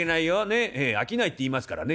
「ええ商いって言いますからね」。